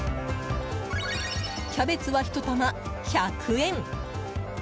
キャベツは、１玉１００円。